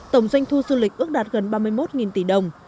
tổng doanh thu du lịch ước đạt gần ba mươi một tỷ đồng